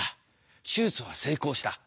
手術は成功した。